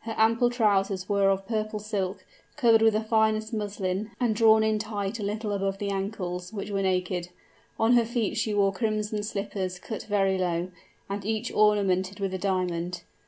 Her ample trousers were of purple silk, covered with the finest muslin, and drawn in tight a little above the ankles, which were naked. On her feet she wore crimson slippers cut very low, and each ornamented with a diamond.